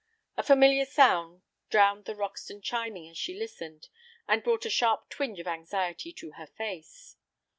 A familiar sound drowned the Roxton chiming as she listened, and brought a sharp twinge of anxiety to her face.